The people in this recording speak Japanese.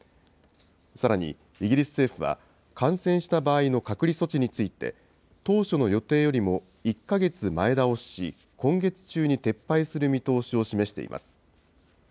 さらにイギリス政府は、感染した場合の隔離措置について、当初の予定よりも１か月前倒しし、今月中に撤廃する見通しを示しています。